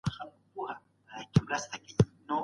ځوانان د خپل فکر لپاره نوی منطق پيدا کوي.